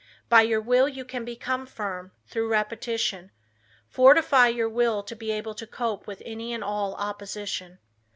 By your will you can become firm, through repetition. Fortify your will to be able to cope with any and all opposition.